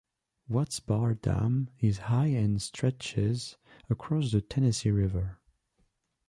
Watts Bar Dam is high and stretches across the Tennessee River.